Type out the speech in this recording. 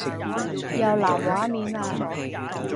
又藍畫面啦